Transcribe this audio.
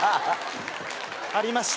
ありました。